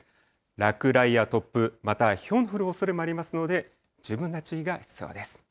落雷や突風、またひょうの降るおそれもありますので、十分な注意が必要です。